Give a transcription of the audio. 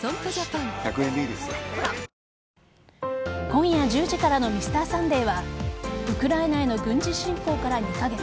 今夜１０時からの「Ｍｒ．サンデー」はウクライナへの軍事侵攻から２カ月。